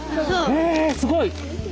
へえすごい！